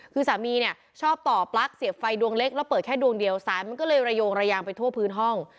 คือสามีเนี่ยชอบต่อปลั๊กเสียบไฟดวงเล็กแล้วเปิดแค่ดวงเดียวสายมันก็เลยระโยงระยางไปทั่วพื้นห้อง